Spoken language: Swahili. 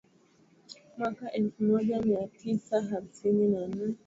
mwaka elfu moja mia tisa hamsini na nne